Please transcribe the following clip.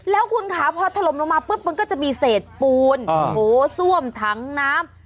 แล้วคุณค่ะพอถล่มลงมาปุ๊บมันก็จะมีเศษปูนซ่วมถังน้ำ